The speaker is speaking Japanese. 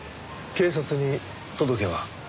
警察に届けは？